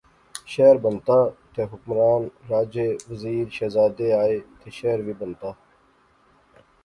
شہر بنتا تہ حکمران راجے، وزیر، شہزادے آئے تہ شہر وی بنتا